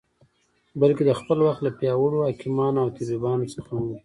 بلکې د خپل وخت له پیاوړو حکیمانو او طبیبانو څخه هم و.